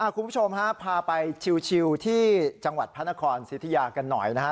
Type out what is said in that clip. คุณผู้ชมฮะพาไปชิวที่จังหวัดพระนครสิทธิยากันหน่อยนะฮะ